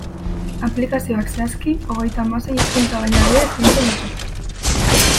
Aplikazioak, zehazki, hogeita hamasei hizkuntza-baliabide eskaintzen ditu.